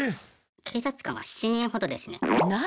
警察官が７人ほどですね。